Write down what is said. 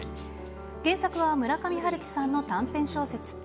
原作は村上春樹さんの短編小説。